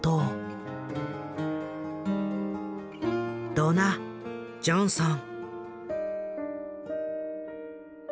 ドナ・ジョンソン。